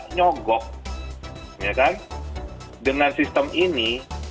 nyogok dengan sistem ini